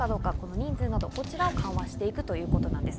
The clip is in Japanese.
人数など緩和していくということです。